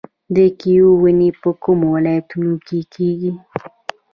د کیوي ونې په کومو ولایتونو کې کیږي؟